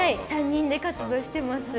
３人で活動してます。